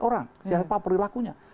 orang siapa perilakunya